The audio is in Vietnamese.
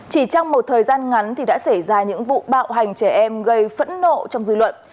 chỉ trong một thời gian ngắn thì đã xảy ra những vụ bạo hành trẻ em gây phẫn nộ trong dư luận